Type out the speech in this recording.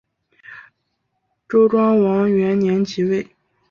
周庄王元年即位。